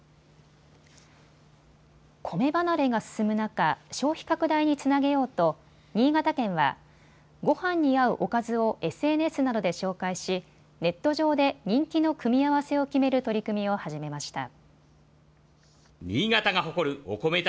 コメ離れが進む中、消費拡大につなげようと新潟県はごはんに合うおかずをＳＮＳなどで紹介し、ネット上で人気の組み合わせを決める取り組みを始めました。